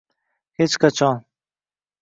hech qachon